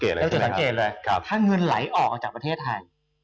แต่ถ้าเงินหลายออกจากประเทศไทย